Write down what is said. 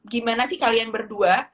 gimana sih kalian berdua